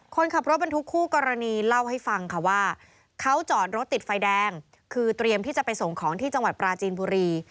คนขับรถบรรทุกคู่กรณีเล่าให้ฟังค่ะว่าเขาจอดรถติดไฟแดงคือเตรียมที่จะไปส่งของที่จังหวัดปราจีนบุรี